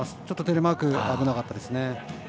ちょっとテレマーク危なかったですね。